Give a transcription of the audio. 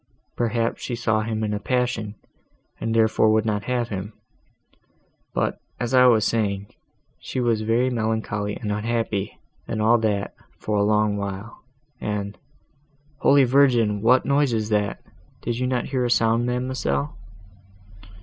Perhaps she saw him in a passion, and therefore would not have him. But, as I was saying, she was very melancholy and unhappy, and all that, for a long while, and—Holy Virgin! what noise is that? did not you hear a sound, ma'amselle?"